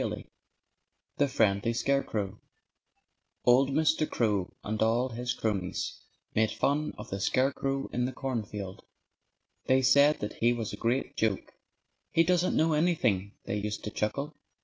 V THE FRIENDLY SCARECROW Old Mr. Crow and all his cronies made fun of the scarecrow in the cornfield. They said that he was a great joke. "He doesn't know anything," they used to chuckle.